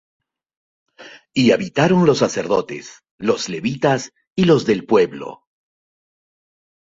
Y habitaron los sacerdotes, y los Levitas, y los del pueblo.